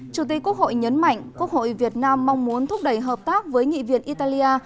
chủ tịch quốc hội nhấn mạnh quốc hội việt nam mong muốn thúc đẩy hợp tác với nghị viện italia